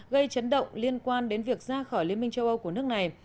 gây chấn động liên quan đến việc ra khỏi liên minh châu âu của nước này